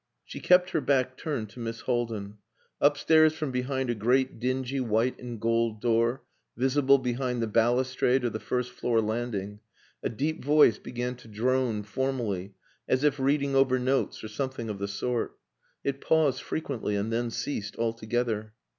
She kept her back turned to Miss Haldin. Upstairs from behind a great dingy white and gold door, visible behind the balustrade of the first floor landing, a deep voice began to drone formally, as if reading over notes or something of the sort. It paused frequently, and then ceased altogether.